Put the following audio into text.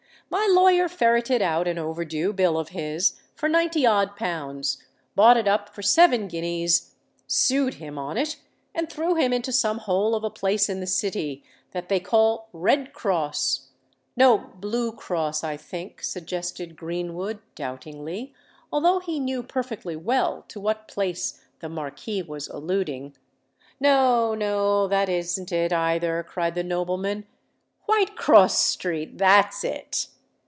My lawyer ferreted out an overdue bill of his, for ninety odd pounds, bought it up for seven guineas, sued him on it, and threw him into some hole of a place in the City, that they call Redcross——" "No—Bluecross, I think," suggested Greenwood, doubtingly—although he knew perfectly well to what place the Marquis was alluding. "No—no—that isn't it either," cried the nobleman: "Whitecross Street—that's it."